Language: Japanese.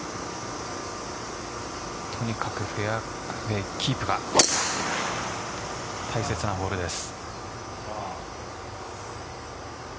とにかくフェアウエーキープが大切なホールです。